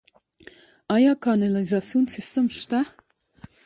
آیا کانالیزاسیون سیستم شته؟